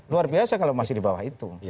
luar biasa kalau masih di bawah itu